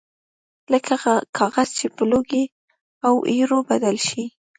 لکه کاغذ چې په لوګي او ایرو بدل شي